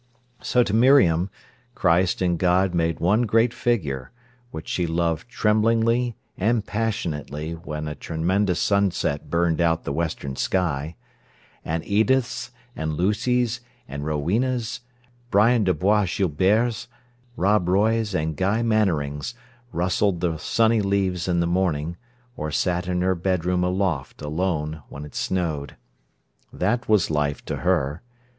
So to Miriam, Christ and God made one great figure, which she loved tremblingly and passionately when a tremendous sunset burned out the western sky, and Ediths, and Lucys, and Rowenas, Brian de Bois Guilberts, Rob Roys, and Guy Mannerings, rustled the sunny leaves in the morning, or sat in her bedroom aloft, alone, when it snowed. That was life to her.